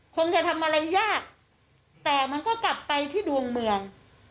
คงจะทำอะไรยากแต่มันก็กลับไปที่ดวงเมือง